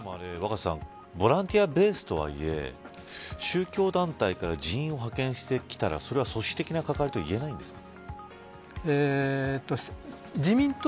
ボランティアベースとはいえ宗教団体から議員を派遣してきたら、それは組織的なはかりとは言えないんですか。